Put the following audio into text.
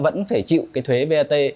vẫn phải chịu cái thuế vat